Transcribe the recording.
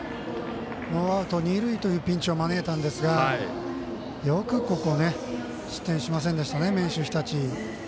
ノーアウト、二塁というピンチを招いたんですがよくここ失点しませんでしたね、明秀日立。